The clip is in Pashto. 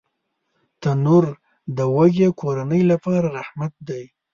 تنور د وږې کورنۍ لپاره رحمت دی